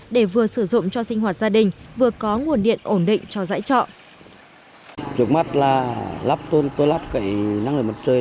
để vừa sử dụng cho sinh hoạt gia đình vừa có nguồn điện ổn định cho dãy trọ